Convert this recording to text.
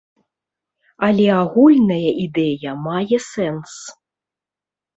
Але агульная ідэя мае сэнс.